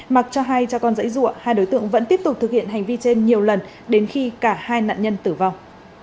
mặc cho hai cha con dãy rụa hai đối tượng vẫn tiếp tục thực hiện hành vi trên nhiều lần đến khi cả hai nạn nhân tử vong